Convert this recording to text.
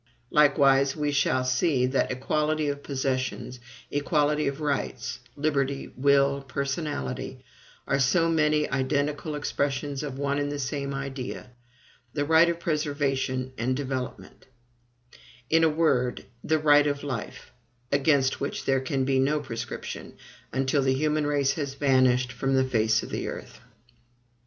Likewise we shall see that EQUALITY OF POSSESSIONS, EQUALITY OF RIGHTS, LIBERTY, WILL, PERSONALITY, are so many identical expressions of one and the same idea, the RIGHT OF PRESERVATION and DEVELOPMENT; in a word, the right of life, against which there can be no prescription until the human race has vanished from the face of the earth.